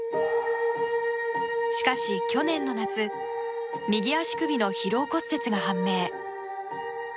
しかし、去年の夏右足首の疲労骨折が判明。